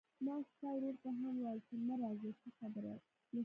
ما ستا ورور ته هم وويل چې ما راځه، څه خبره نشته.